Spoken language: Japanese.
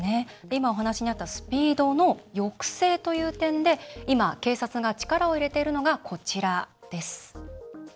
今、お話にあったスピードの抑制という点で今、警察が力を入れているのがこちらです。